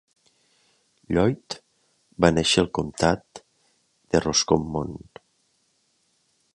Lloyd va néixer al comtat de Roscommon.